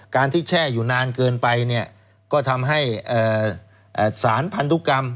การที่แช่อยู่นานเกินไปเนี่ยก็ทำให้สารพันธุกรรม